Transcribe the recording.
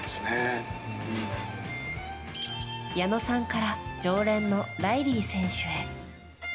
矢野さんから常連のライリー選手へ。